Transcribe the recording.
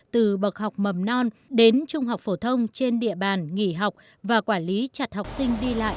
từ bậc học mầm non đến trung học phổ thông trên địa bàn nghỉ học và quản lý chặt học sinh đi lại